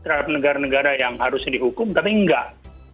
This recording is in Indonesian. terhadap negara negara yang harusnya dihukum tapi enggak